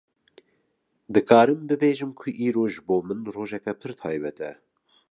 Dikarim bibêjim ku îro ji bo min rojeke pir taybet e